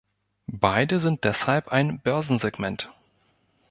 Beide sind deshalb ein Börsensegment.